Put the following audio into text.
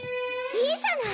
いいじゃない。